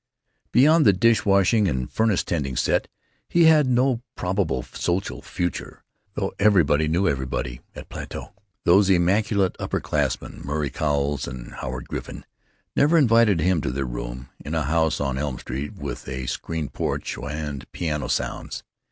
Beyond the dish washing and furnace tending set he had no probable social future, though everybody knew everybody at Plato. Those immaculate upper classmen, Murray Cowles and Howard Griffin, never invited him to their room (in a house on Elm Street with a screened porch and piano sounds).